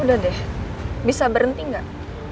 udah deh bisa berhenti nggak